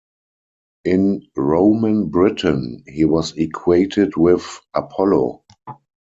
In Roman Britain, he was equated with Apollo.